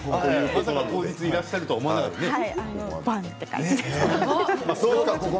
まさか当日いらっしゃると思わなかったですよね。